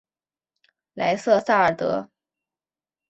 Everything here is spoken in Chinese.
莱瑟萨尔德。